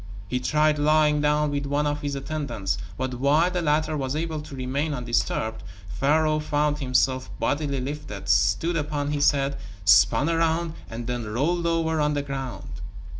He tried lying down with one of his attendants, but while the latter was able to remain undisturbed, Pharaoh found himself bodily lifted, stood upon his head, spun around and then rolled over on the ground.